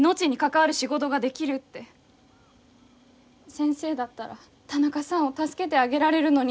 先生だったら田中さんを助けてあげられるのに。